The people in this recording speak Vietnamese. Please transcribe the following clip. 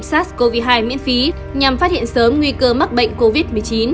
sars cov hai miễn phí nhằm phát hiện sớm nguy cơ mắc bệnh covid một mươi chín